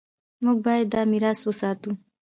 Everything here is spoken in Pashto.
موږ باید دا میراث وساتو.